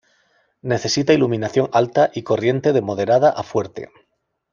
Necesita iluminación alta y corriente de moderada a fuerte.